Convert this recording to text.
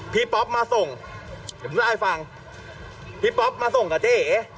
พี่ป๊อปมาส่งเดี๋ยวพี่ได้ฟังพี่ป๊อปมาส่งกับเจ๋อ๋